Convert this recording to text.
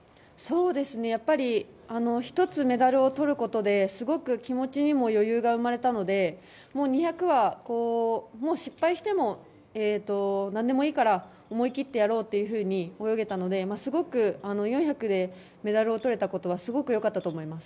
やっぱり１つメダルをとることですごく気持ちにも余裕が生まれたので２００はもう失敗しても何でもいいから思い切ってやろうというふうに泳げたのですごく４００でメダルをとれたことは良かったと思います。